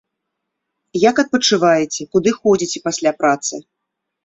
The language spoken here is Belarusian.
А як адпачываеце, куды ходзіце пасля працы?